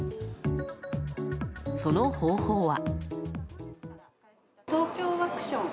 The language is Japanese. その方法は。